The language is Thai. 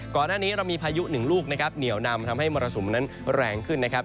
ก่อนหน้านี้เรามีพายุหนึ่งลูกนะครับเหนียวนำทำให้มรสุมนั้นแรงขึ้นนะครับ